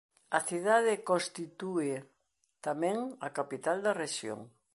A cidade constitúe tamén a capital da rexión.